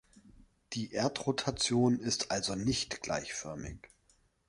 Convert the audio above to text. Die Erdrotation ist also nicht gleichförmig.